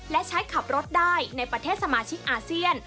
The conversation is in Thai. และใช้ขับรถได้ในประเทศสมาชิกอาเซียน